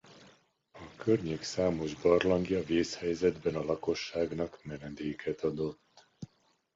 A környék számos barlangja vészhelyzetben a lakosságnak menedéket adott.